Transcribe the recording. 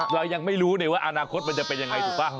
เรายังไม่รู้ว่าอนาคตมันจะเป็นยังไงถูกป่ะ